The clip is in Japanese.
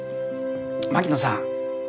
槙野さん。